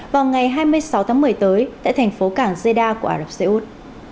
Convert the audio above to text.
vào ngày hai mươi sáu tháng một mươi tới tại thành phố cảng zeda của ả rập xê út